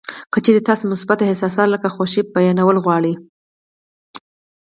که چېرې تاسې مثبت احساسات لکه خوښي بیانول غواړئ